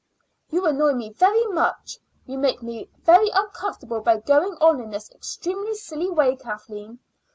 "You annoy me very much. You make me very uncomfortable by going on in this extremely silly way, Kathleen."